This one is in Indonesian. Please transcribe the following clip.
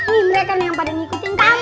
nih mereka yang pada ikutin kamu